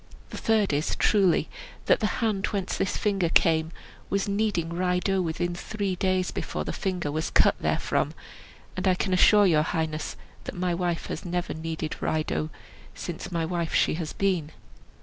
The third is, truly, that the hand whence this finger came was kneading rye dough within three days before the finger was cut therefrom, and I can assure your highness that my wife has never kneaded rye dough since my wife she has been."